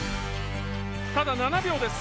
ただ７秒です。